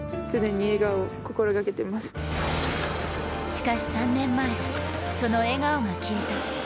しかし３年前、その笑顔が消えた。